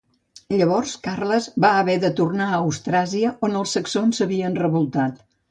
Llavors Carles va haver de tornar a Austràsia on els saxons s'havien revoltat.